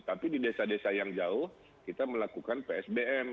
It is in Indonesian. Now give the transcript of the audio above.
tapi di desa desa yang jauh kita melakukan psbm